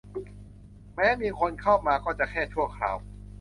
แม้มีคนเข้ามาก็จะแค่ชั่วคราว